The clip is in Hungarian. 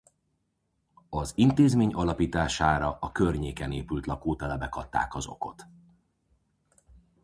Az intézmény alapítására a környéken épült lakótelepek adták az okot.